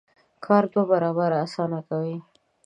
کار دوه برابره اسانه کوي.